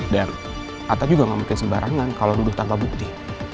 dan ata juga gak mungkin sembarangan kalo nuduh tanpa bukti